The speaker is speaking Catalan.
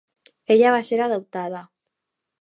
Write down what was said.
Ella va ser adoptada.